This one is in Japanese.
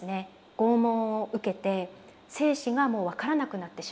拷問を受けて生死がもう分からなくなってしまう。